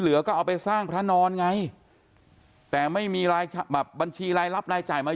เหลือก็เอาไปสร้างพระนอนไงแต่ไม่มีบัญชีรายรับรายจ่ายมา